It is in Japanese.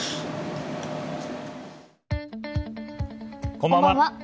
こんばんは。